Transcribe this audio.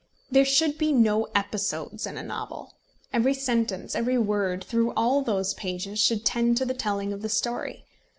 There should be no episodes in a novel. Every sentence, every word, through all those pages, should tend to the telling of the story.